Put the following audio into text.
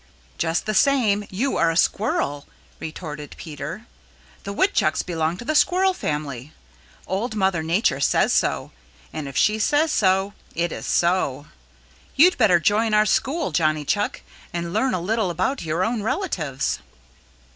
"Just the same, you are a Squirrel," retorted Peter. "The Woodchucks belong to the Squirrel family. Old Mother Nature says so, and if she says so, it is so. You'd better join our school, Johnny Chuck, and learn a little about your own relatives."